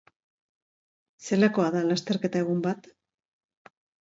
Zelakoa da lasterketa egun bat?